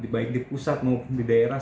baik di pusat maupun di daerah